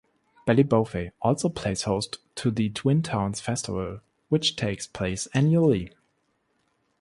Ballybofey also plays host to the Twin Towns Festival which takes place annually.